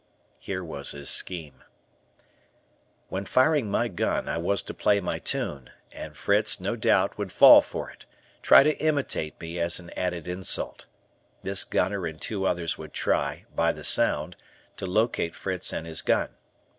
Here was his scheme: When firing my gun, I was to play my tune, and Fritz, no doubt, would fall for it, try to imitate me as an added insult. This gunner and two others would try, by the sound, to locate Fritz and his gun.